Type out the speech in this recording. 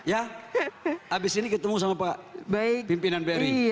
ya abis ini ketemu sama pak pimpinan bri